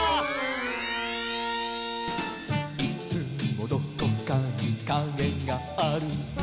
「いつもどこかにかげがある」